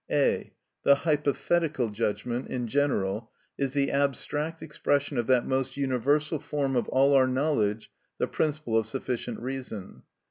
(a.) The hypothetical judgment in general is the abstract expression of that most universal form of all our knowledge, the principle of sufficient reason.